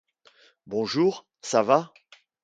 Bonjour, Ça va ?